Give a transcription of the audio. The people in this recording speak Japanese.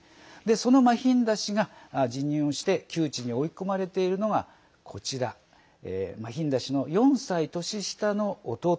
そのマヒンダ氏が辞任をして窮地に追い込まれているのがこちらマヒンダ氏の４歳年下の弟